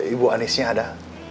ibu anisnya ada